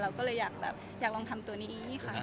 เราก็เลยอยากลองทำตัวนี้ค่ะ